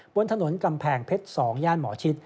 บนถนนกำแพงเพชร๒ย่านหมอชิด